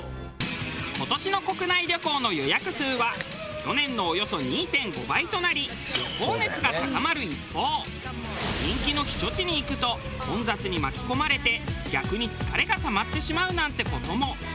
今年の国内旅行の予約数は去年のおよそ２．５倍となり旅行熱が高まる一方人気の避暑地に行くと混雑に巻き込まれて逆に疲れがたまってしまうなんて事も。